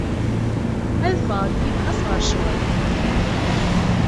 Ad fɣeɣ deg yiḍ ɣas ɣer cɣel.